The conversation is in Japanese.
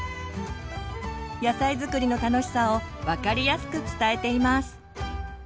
野菜づくりの楽しさを分かりやすく伝えています。